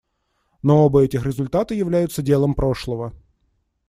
Но оба этих результата являются делом прошлого.